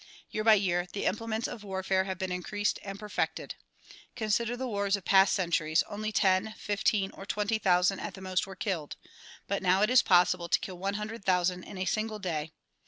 Year by year the implements of warfare have been increased and perfected. Consider the Avars of past centuries; only ten, fifteen or twenty thousand at the most were killed but now it is possible to kill one hundred thousand in a single day.